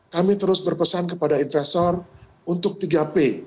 kami terus berpesan kepada investor untuk tiga p